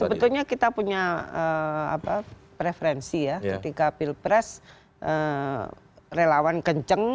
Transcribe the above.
sebetulnya kita punya preferensi ya ketika pilpres relawan kenceng